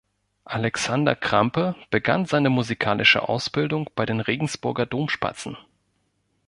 Alexander Krampe begann seine musikalische Ausbildung bei den Regensburger Domspatzen.